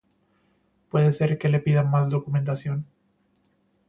Puede ser que le pidan más documentación.